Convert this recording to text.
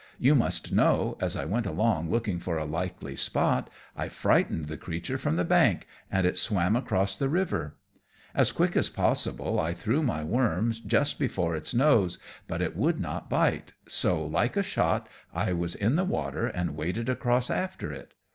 You must know, as I went along looking for a likely spot, I frightened the creature from the bank, and it swam across the river. As quick as possible, I threw my worm just before its nose, but it would not bite, so, like a shot, I was in the water, and waded across after it.